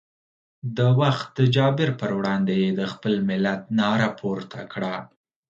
د وخت د جابر پر وړاندې یې د خپل ملت ناره پورته کړه.